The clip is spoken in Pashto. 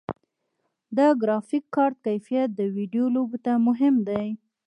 د ګرافیک کارت کیفیت د ویډیو لوبو ته مهم دی.